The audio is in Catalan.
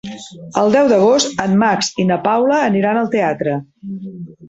El deu d'agost en Max i na Paula aniran al teatre.